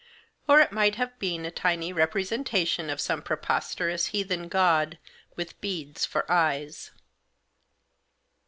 Or it might have been a tiny representation of some prepos terous heathen god, with beads for eyes.